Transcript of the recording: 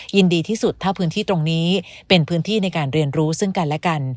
ยินดีที่สุดถ้าพื้นที่ตรงนี้เป็นพื้นที่ในการเรียนรู้ซึ่งกันและกัน